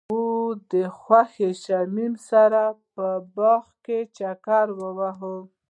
هغوی د خوښ شمیم سره په باغ کې چکر وواهه.